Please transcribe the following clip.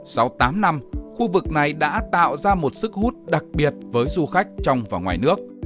sau tám năm khu vực này đã tạo ra một sức hút đặc biệt với du khách trong và ngoài nước